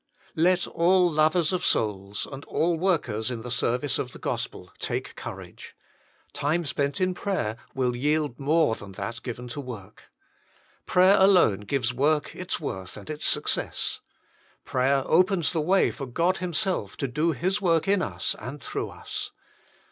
Let all lovers of souls, and all workers in the service of the gospel, take courage. Time spent in prayer will yield more than that given to work. Prayer alone gives work its worth and its success. Prayer opens the way for God Himself to do His work in us and through us.